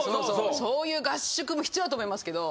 そういう合宿も必要だと思いますけど。